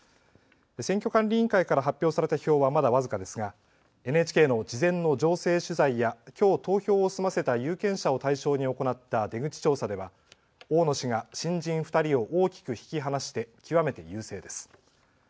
選挙管理委員会から発表された票はまだ僅かですが、ＮＨＫの事前の情勢取材やきょう投票を済ませた有権者を対象に行った出口調査では大野氏が新人２人を大きく引き離して極めて優勢です。